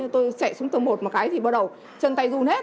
tôi chạy xuống tầng một một cái thì bắt đầu chân tay run hết